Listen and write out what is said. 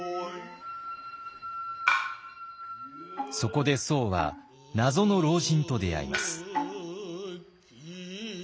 そこで僧は謎の老人と出会います。